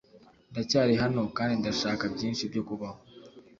Ndacyari hano kandi ndashaka byinshi byo kubaho